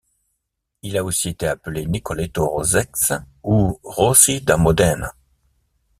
Il a aussi été appelé Nicoletto Rosex ou Rossi da Modena.